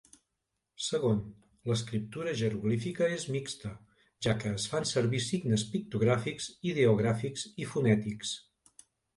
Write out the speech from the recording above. Segon, l'escriptura jeroglífica és mixta, ja que es fan servir signes pictogràfics, ideogràfics i fonètics.